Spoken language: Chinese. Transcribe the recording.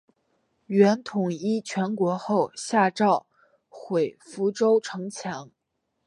元统一全国后下诏毁福州城墙。